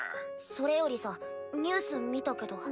それよりさニュース見たけど。